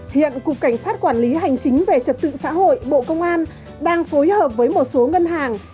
hiện cục cảnh sát quản lý hành chính về trật tự xã hội bộ công an đang phối hợp với một số ngân hàng